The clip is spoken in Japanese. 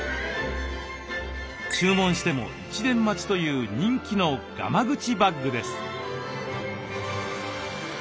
注文しても１年待ちという人気のがま口バッグです。